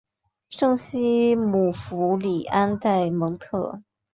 圣西姆福里安代蒙特。